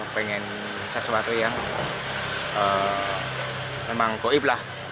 pengen sesuatu yang memang goib lah